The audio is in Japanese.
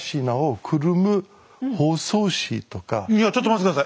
実はいやちょっと待って下さい。